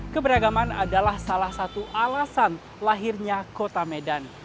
keberagaman adalah salah satu alasan lahirnya kota medan